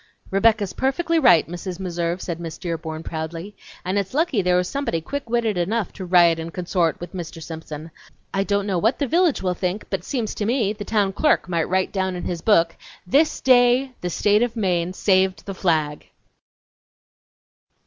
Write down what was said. "Rebecca's perfectly right, Mrs. Meserve!" said Miss Dearborn proudly. "And it's lucky there was somebody quick witted enough to ride and consort' with Mr. Simpson! I don't know what the village will think, but seems to me the town clerk might write down in his book, THIS DAY THE STATE OF MAINE SAVED THE FLAG!'"